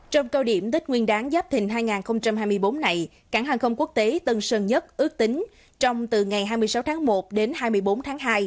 trong cao điểm tết nguyên đáng giáp thịnh hai nghìn hai mươi bốn này cảng hàng không quốc tế tân sơn nhất ước tính trong từ ngày hai mươi sáu tháng một đến hai mươi bốn tháng hai